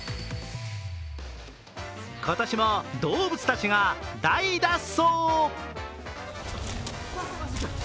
今年も動物たちが大脱走。